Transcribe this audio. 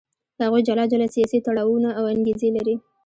هغوی جلا جلا سیاسي تړاوونه او انګېزې لري.